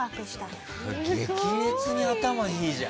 激烈に頭いいじゃん。